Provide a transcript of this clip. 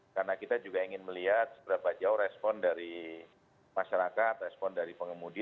karena kita juga ingin melihat seberapa jauh respon dari masyarakat respon dari pengemudi